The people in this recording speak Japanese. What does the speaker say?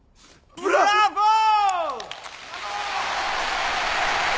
ブラボー！